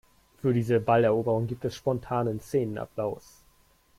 Für diese Balleroberung gibt es spontanen Szenenapplaus.